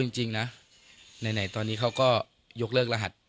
ใช่ครับ